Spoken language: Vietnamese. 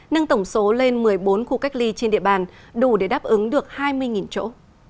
nâng tổng số lên một mươi bốn khu cách ly trên địa bàn đủ để đáp ứng được hai mươi chỗ